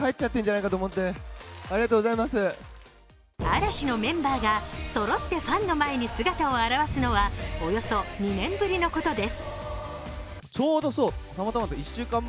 嵐のメンバーがそろってファンの前に姿を現すのは、およそ２年ぶりのことです。